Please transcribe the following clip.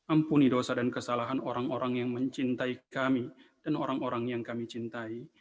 ampuni dosa dan kesalahan orang orang yang mencintai kami dan orang orang yang kami cintai